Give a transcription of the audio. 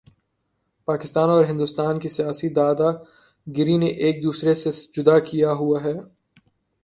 پاکستان اور ہندوستان کی سیاسی دادا گری نے ایک دوسرے سے جدا کیا ہوا ہے